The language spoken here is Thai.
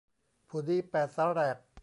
ผู้ดีแปดสาแหรก